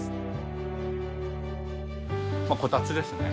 まあこたつですね。